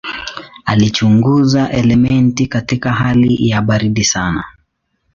Alichunguza elementi katika hali ya baridi sana.